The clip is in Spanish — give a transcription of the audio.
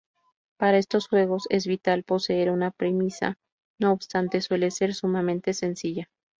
Para estos juegos, es vital poseer una premisa, no obstante, suele ser sumamente sencilla.